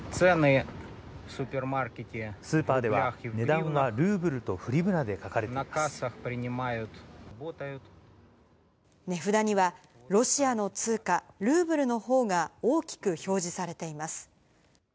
スーパーでは、値段はルーブ値札には、ロシアの通貨ルーブルのほうが大きく表示されています。